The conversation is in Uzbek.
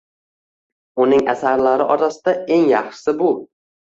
Uning asarlari orasida eng yaxshisi bu.